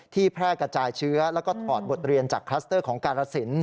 แพร่กระจายเชื้อแล้วก็ถอดบทเรียนจากคลัสเตอร์ของกาลสิน